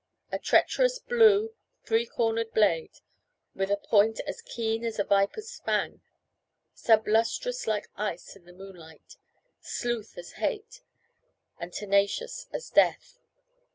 A treacherous, blue, three cornered blade, with a point as keen as a viper's fang, sublustrous like ice in the moonlight, sleuth as hate, and tenacious as death.